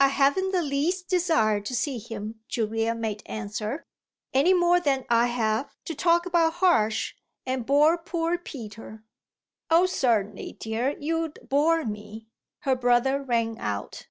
"I haven't the least desire to see him," Julia made answer, "any more than I have to talk about Harsh and bore poor Peter." "Oh certainly, dear, you'd bore me," her brother rang out.